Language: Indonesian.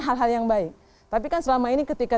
hal hal yang baik tapi kan selama ini ketika